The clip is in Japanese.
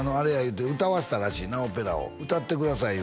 言うて歌わせたらしいなオペラを「歌ってください」